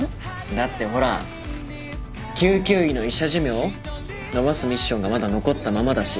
だってほら救急医の医者寿命延ばすミッションがまだ残ったままだし。